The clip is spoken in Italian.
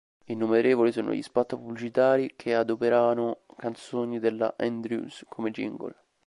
Innumerevoli sono gli spot pubblicitari che adoperano canzoni della Andrews come jingle.